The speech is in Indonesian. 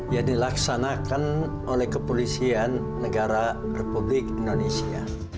yang dilaksanakan oleh kepolisian negara republik indonesia